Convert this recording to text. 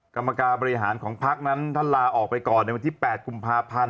กรรมการบริหารของพักนั้นท่านลาออกไปก่อนในวันที่๘กุมภาพันธ์